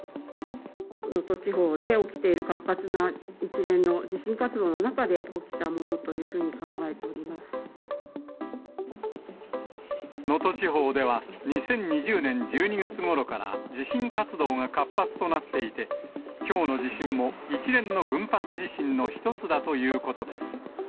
能登地方で起きている活発な一連の地震活動の中で、起きたも能登地方では、２０２０年１２月ごろから地震活動が活発となっていて、きょうの地震も一連の群発地震の一つだということです。